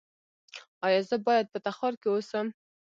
ایا زه باید په تخار کې اوسم؟